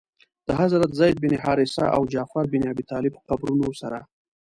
د حضرت زید بن حارثه او جعفر بن ابي طالب قبرونو سره.